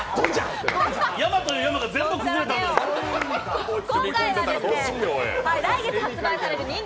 山という山が全部崩れたんですから。